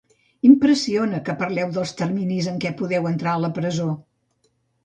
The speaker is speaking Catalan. Impressiona que parleu dels terminis en què podeu entrar a la presó.